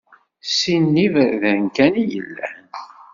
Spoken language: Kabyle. Sin n iberdan kan i yellan.